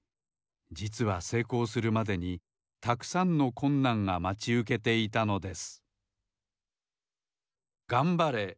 じつはせいこうするまでにたくさんのこんなんがまちうけていたのです